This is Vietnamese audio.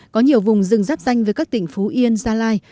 có nhiều vùng rừng rắp danh với các tỉnh phú yên gia lai